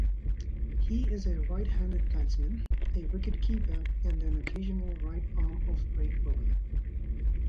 He is a right-handed batsman, a wicketkeeper and an occasional right-arm offbreak bowler.